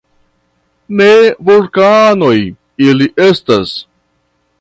Ne vulkanoj ili estas.